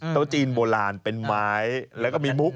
โต๊ะจีนโบราณเป็นไม้แล้วก็มีมุก